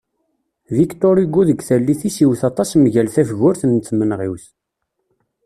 Victor Hugo deg tallit-is iwet aṭas mgal tafgurt n tmenɣiwt.